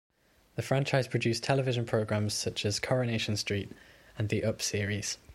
The franchise produced television programmes such as "Coronation Street" and the "Up Series".